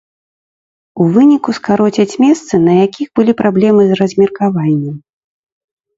У выніку скароцяць месцы, на якіх былі праблемы з размеркаваннем.